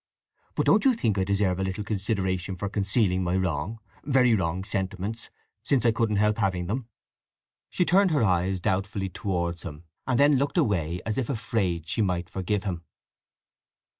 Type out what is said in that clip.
But don't you think I deserve a little consideration for concealing my wrong, very wrong, sentiments, since I couldn't help having them?" She turned her eyes doubtfully towards him, and then looked away as if afraid she might forgive him.